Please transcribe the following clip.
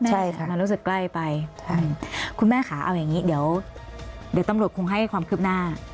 ใช่ค่ะมันรู้สึกใกล้ไปคุณแม่ค่ะเอาอย่างนี้เดี๋ยวตำรวจคงให้ความคืบหน้า